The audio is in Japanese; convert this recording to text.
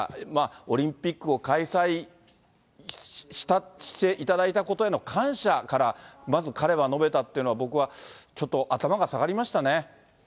オリンピックを開催していただいたことへの感謝から、まず彼は述べたっていうのは、僕はちょっと、頭が下がりましたね。